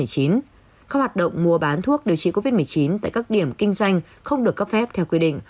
các hoạt động mua bán thuốc điều trị covid một mươi chín tại các điểm kinh doanh không được cấp phép theo quy định